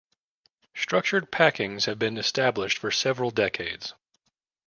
Structured packings have been established for several decades.